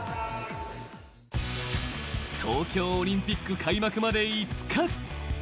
東京オリンピック開幕まで５日。